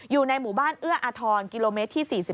อยู่ในหมู่บ้านเอื้ออาทรกิโลเมตรที่๔๑